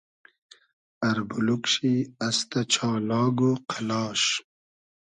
اربولوگ شی استۂ چالاگ و قئلاش